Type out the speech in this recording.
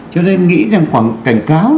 cho nên nghĩ rằng khoảng cảnh cáo